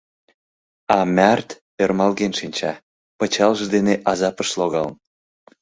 А Мӓрт ӧрмалген шинча, пычалже дене азапыш логалын.